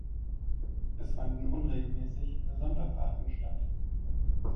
Es fanden unregelmäßig Sonderfahrten statt.